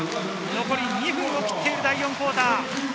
残り２分を切っている第４クオーター。